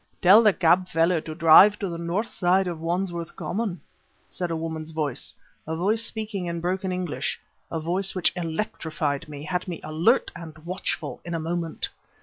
"Tell the cab feller to drive to the north side of Wandsworth Common," said a woman's voice a voice speaking in broken English, a voice which electrified me, had me alert and watchful in a moment.